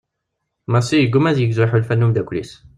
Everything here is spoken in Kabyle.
Massi yegguma ad yegzu iḥulfan n umddakel-is.